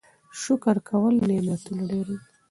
شکر کول نعمتونه ډېروي.